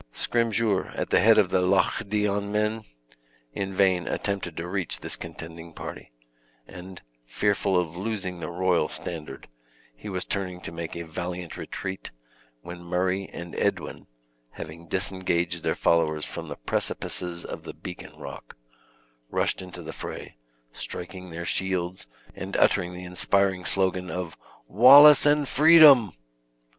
Scrymgeour, at the head of the Loch Dione men, in vain attempted to reach this contending party; and fearful of losing the royal standard, he was turning to make a valiant retreat, when Murray and Edwin (having disengaged their followers from the precipices of the beacon rock) rushed into the fray, striking their shields, and uttering the inspiring slogan of "Wallace and freedom!"